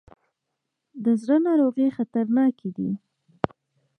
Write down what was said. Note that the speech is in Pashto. د زړه ناروغۍ خطرناکې دي.